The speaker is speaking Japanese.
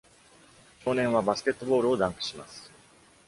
少年はバスケットボールをダンクします。